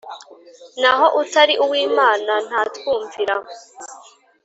naho utari uw'Imana ntatwumvira.